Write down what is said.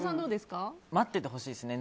待っててほしいですね。